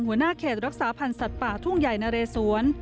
หัวหน้าเขตรักษาพันธ์สัตว์ป่าทุ่งใหญ่นะเรสวน